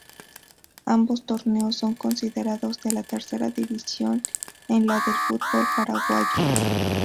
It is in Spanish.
Ambos torneos son considerados de la Tercera División en la del fútbol paraguayo.